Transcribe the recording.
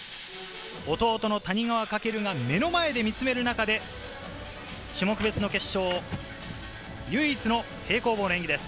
弟の谷川翔が目の前で見つめる中で種目別の決勝、唯一の平行棒の演技です。